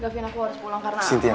gak vina aku harus pulang karena